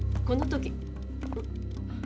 この時ん？